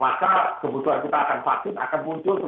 maka kebutuhan kita akan vaksin akan muncul